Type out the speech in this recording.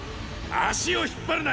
足を引っ張るなよ！